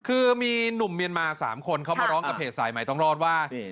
คือมีหนุ่มเมียนมา๓คนเขามาร้องกับเพจสายใหม่ต้องรอดว่า